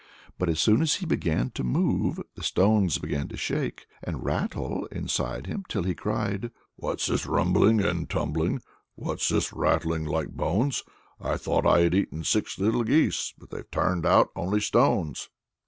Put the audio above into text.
But as soon as he began to move the stones began to shake and rattle inside him, till he cried, "What's this rumbling and tumbling, What's this rattling like bones? I thought I had eaten six little geese, But they've turned out only stones."